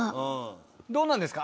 どうなんですか？